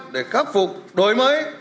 để khắc phục đổi mới